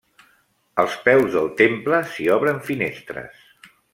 Als peus del temple s'hi obren finestres.